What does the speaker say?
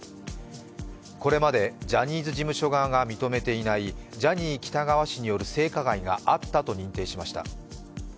これまでジャニーズ事務所側が認めていないジャニー喜多川氏による性加害があったと認定しました。